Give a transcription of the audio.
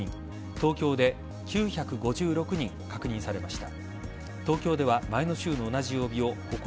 東京で９５６人確認されました。